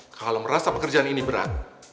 kalau merasa pekerjaan ini berat